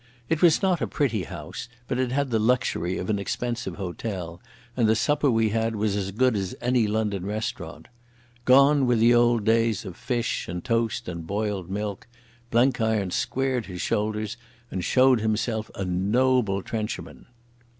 It was not a pretty house, but it had the luxury of an expensive hotel, and the supper we had was as good as any London restaurant. Gone were the old days of fish and toast and boiled milk. Blenkiron squared his shoulders and showed himself a noble trencherman.